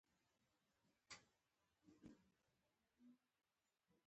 مرسل نن زیاته ستړي شوه.